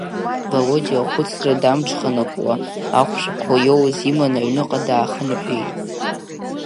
Володиа ахәыцра дамҽханакуа, ахәшәқәа иоуз иманы, аҩныҟа даахынхәит.